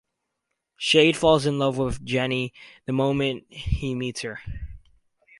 Shade falls in love with Jennie the moment he meets her.